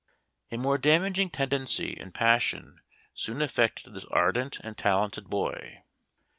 A more damaging tendency and passion soon affected this ardent and talented boy.